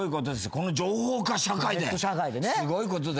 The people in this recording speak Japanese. この情報化社会で。